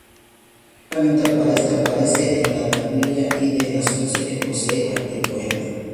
Solamente aparece en la Tablilla I de las once que posee el Poema.